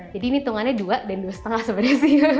jadi ini hitungannya dua dan dua setengah sebenarnya sih